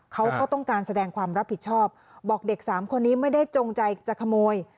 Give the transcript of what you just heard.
เขาก็ต้องการแสดงความรับผิดชอบบอกเด็กสามคนนี้ไม่ได้จงใจจะขโมย